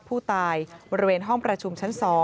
ผู้ตายบริเวณห้องประชุมชั้น๒